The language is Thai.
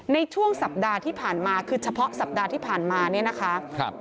ในช่วงสัปดาห์ที่ผ่านมาคือเฉพาะสัปดาห์ที่ผ่านมา